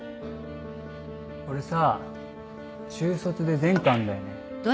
俺さ中卒で前科あんだよね。